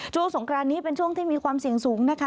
สงครานนี้เป็นช่วงที่มีความเสี่ยงสูงนะคะ